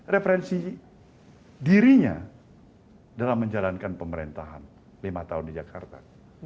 referensi dirinya dalam menjalankan pemerintahan lima tahun di jakarta